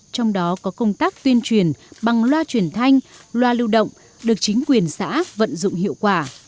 trong đó có công tác tuyên truyền bằng loa truyền thanh loa lưu động được chính quyền xã vận dụng hiệu quả